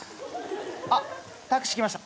あっタクシー来ました。